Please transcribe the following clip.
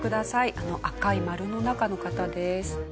あの赤い丸の中の方です。